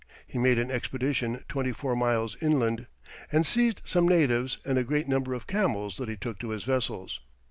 He made an expedition twenty four miles inland, and seized some natives and a great number of camels that he took to his vessels.